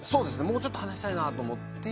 もうちょっと話したいなと思って。